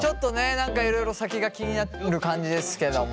何かいろいろ先が気になってる感じですけども。